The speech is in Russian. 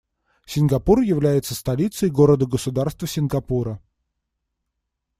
Сингапур является столицей города-государства Сингапура.